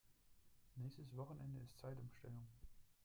Nächstes Wochenende ist Zeitumstellung.